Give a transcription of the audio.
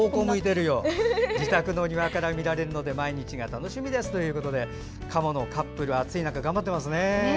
自宅の庭から見られるので毎日が楽しみですということでカモのカップル暑い中、頑張っていますね。